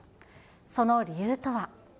その理由とは。